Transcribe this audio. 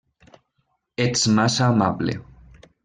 Ets massa amable.